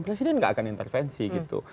presiden nggak akan intervensi gitu